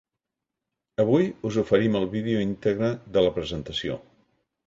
Avui us oferim el vídeo íntegre de la presentació.